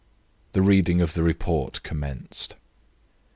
The reading of the report commenced.